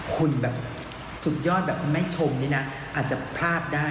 คุณแบบสุดยอดแบบแม่ชมนี่นะอาจจะพลาดได้